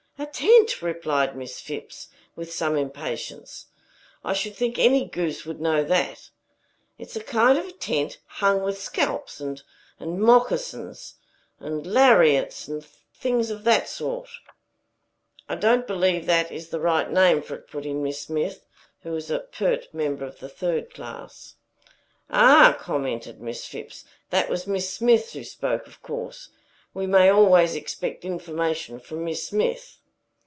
"A tent," replied Miss Phipps, with some impatience. "I should think any goose would know that. It is a kind of tent hung with scalps and and moccasins, and lariats and things of that sort." "I don't believe that is the right name for it," put in Miss Smith, who was a pert member of the third class. "Ah!" commented Miss Phipps, "that was Miss Smith who spoke, of course. We may always expect information from Miss Smith.